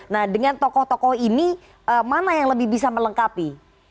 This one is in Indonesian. nah dengan tokoh tokoh ini mana yang lebih bisa melengkapi